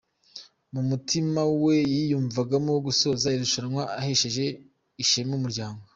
Mu mutima we yiyumvagamo gusoza irushanwa ahesheje ishema umuryango.